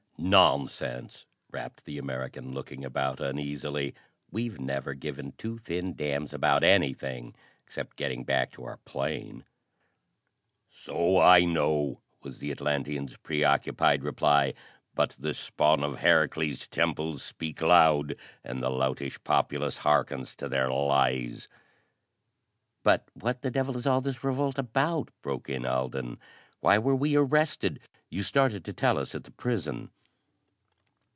"Nonsense," rapped the American, looking about uneasily. "We've never given two thin damns about anything except getting back to our plane." "So I know," was the Atlantean's preoccupied reply; "but this spawn of Herakles' temples speak loud, and the loutish populace hearkens to their lies!" "But what the devil is all this revolt about?" broke in Alden. "Why were we arrested? You started to tell us at the prison."